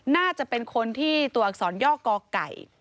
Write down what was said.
น่าจะเป็นคนที่ตัวอักษรย่อกอไก่